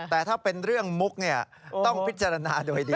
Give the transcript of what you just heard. แต่ถ้าเป็นเรื่องมุกต้องพิจารณาโดยดี